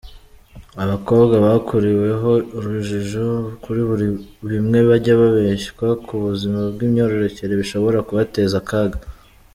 Abakobwa bakuriweho urujijo kuri bimwe bajya babeshywa ku buzima bw’imyororokere bishobora kubateza akaga.